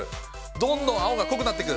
どんどん青が濃くなってくる。